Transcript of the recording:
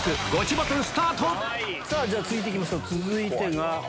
さぁ続いていきましょう続いてが。